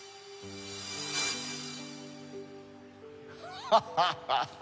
ハハハハ！